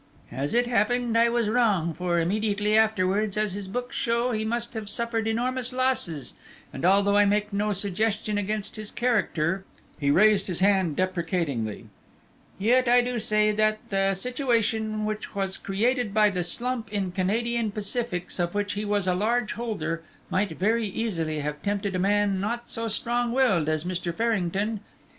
As it happened, I was wrong, for immediately afterwards, as his books show, he must have suffered enormous losses, and although I make no suggestion against his character," he raised his hand deprecatingly, "yet I do say that the situation which was created by the slump in Canadian Pacifics of which he was a large holder, might very easily have tempted a man not so strong willed as Mr. Farrington.